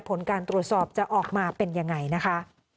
ผลการตรวจสอบจะออกมาเป็นยังไงนะคะ